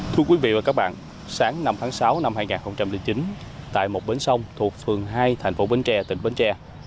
thưa quý vị và các bạn sáng năm tháng sáu năm hai nghìn chín tại một bến sông thuộc phường hai thành phố bến tre tỉnh bến tre